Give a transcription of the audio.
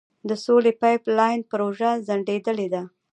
د سولې پایپ لاین پروژه ځنډیدلې ده.